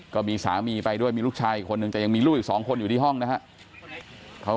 ก็มีสามีไปด้วยมีลูกชายอีกคนนึงแต่ยังมีลูกอีก๒คนอยู่ที่ห้องนะครับ